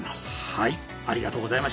はい。